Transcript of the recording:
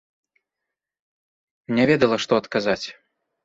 Не ведала, што адказаць.